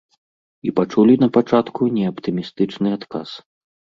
І пачулі напачатку не аптымістычны адказ.